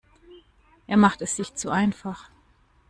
Er macht es sich zu einfach.